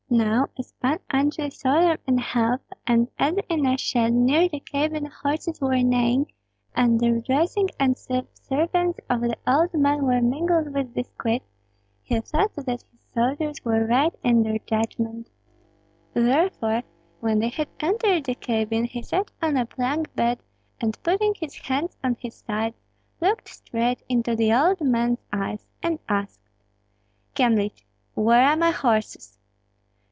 Now, as Pan Andrei saw them in health, and as in a shed near the cabin horses were neighing, and the rejoicing and subservience of the old man were mingled with disquiet, he thought that his soldiers were right in their judgment. Therefore, when they had entered the cabin he sat on a plank bed, and putting his hands on his sides, looked straight into the old man's eyes and asked, "Kyemlich, where are my horses?"